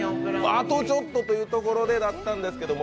あとちょっとというところだったんですけど